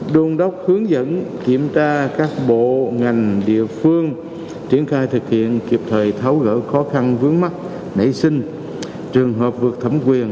đôn đốc hướng dẫn kiểm tra các bộ ngành địa phương triển khai thực hiện kịp thời tháo gỡ khó khăn vướng mắt nảy sinh trường hợp vượt thẩm quyền